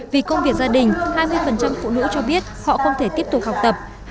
vì công việc gia đình hai mươi phụ nữ cho biết họ không thể tiếp tục học tập